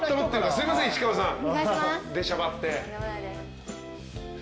すいません市川さん出しゃばって。